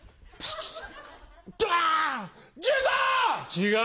違う。